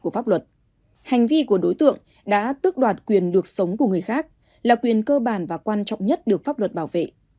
hành vi của đối tượng đã tước đoạt quyền được sống của người khác là quyền cơ bản và quan trọng nhất được pháp luật bảo vệ